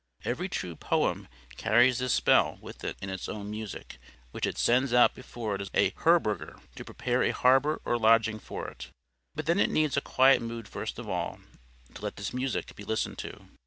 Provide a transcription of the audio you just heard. Every true poem carries this spell with it in its own music, which it sends out before it as a harbinger, or properly a HERBERGER, to prepare a harbour or lodging for it. But then it needs a quiet mood first of all, to let this music be listened to.